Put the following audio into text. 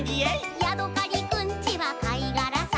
「ヤドカリくんちはかいがらさ」